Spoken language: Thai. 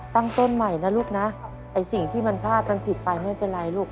ตั้งต้นใหม่นะลูกนะไอ้สิ่งที่มันพลาดมันผิดไปไม่เป็นไรลูก